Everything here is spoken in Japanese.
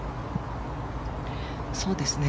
そうですね。